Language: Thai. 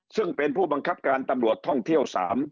ซึ่งเป็นผู้บังคับการตำรวจท่องเที่ยว๓